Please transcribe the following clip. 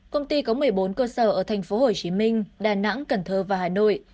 công ty có một mươi bốn cơ sở ở thành phố hồ chí minh đà nẵng cần thơ và hà nội